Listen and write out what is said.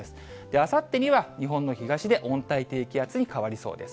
あさってには日本の東で温帯低気圧に変わりそうです。